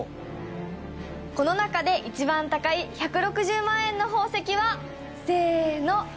この中で一番高い１６０万円の宝石はせーの。